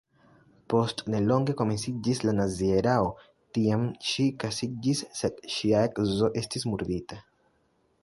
Post nelonge komenciĝis la nazia erao, tiam ŝi kaŝiĝis sed ŝia edzo estis murdita.